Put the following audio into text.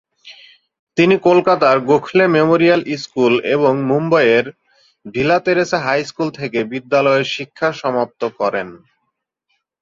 তিনি কলকাতার Gokhale Memorial School এবং মুম্বইয়ের ভিলা তেরেসা হাই স্কুল থেকে বিদ্যালয়ের শিক্ষা সমাপ্ত করেন।